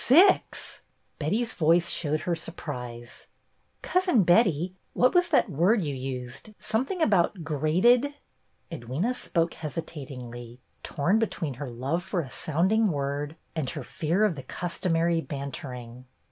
"Six!" Betty's voice showed her surprise. "Cousin Betty, what was that word you used, something about 'grated ?" Edwyna spoke hesitatingly, torn between her love for a sounding word and her fear of the customary bantering.